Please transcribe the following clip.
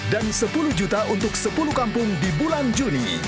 dan sepuluh juta untuk sepuluh kampung di bulan juni